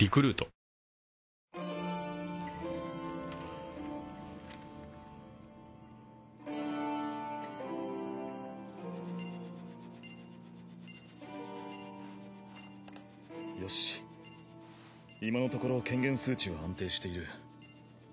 エイジ：よし今のところ顕現数値は安定している。